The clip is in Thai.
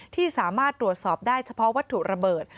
ที่สามารถตรวจสอบได้เฉพาะวัตถุระเบิด